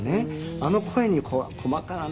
あの声に細かなね